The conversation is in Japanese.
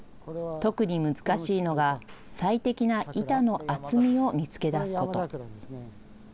特に難しいのが、最適な板の厚みを見つけ出すこと。